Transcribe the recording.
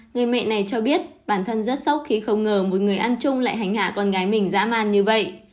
người mẹ này cho biết bản thân rất sốc khi không ngờ một người ăn chung lại hành hạ con gái mình dã man như vậy